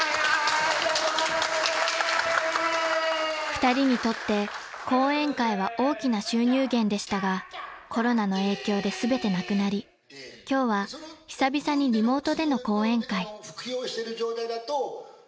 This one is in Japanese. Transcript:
［２人にとって講演会は大きな収入源でしたがコロナの影響で全てなくなり今日は久々にリモートでの講演会］